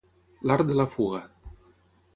L'art de la fuga.